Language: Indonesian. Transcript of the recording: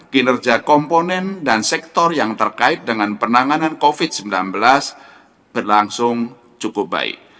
kinerja komponen dan sektor yang terkait dengan penanganan covid sembilan belas berlangsung cukup baik